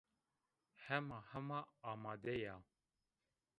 Hema-hema amade ya